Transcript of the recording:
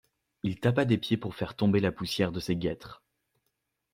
Il tapa des pieds pour faire tomber la poussière de ses guêtres.